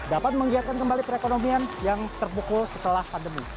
dapat menggiatkan kembali perekonomian yang terpukul setelah pandemi